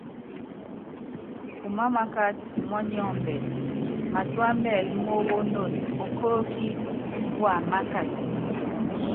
Mámákat umɔnyɔmbɛt, matúá mɛɛl mówónon okóóki wamákat.